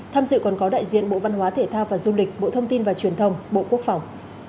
tham dự còn có đại diện bộ văn hóa thể thao và du lịch bộ thông tin và truyền thông bộ quốc phòng